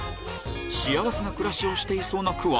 幸せな暮らしをしていそうな区は？